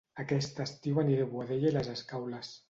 Aquest estiu aniré a Boadella i les Escaules